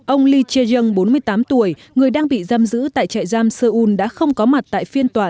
ông lee chae jung bốn mươi tám tuổi người đang bị giam giữ tại trại giam seoul đã không có mặt tại phiên tòa